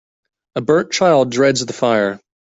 A burnt child dreads the fire.